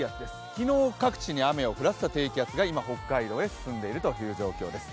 昨日、各地に雨を降らせた低気圧が今北海道に進んでいるという状況です。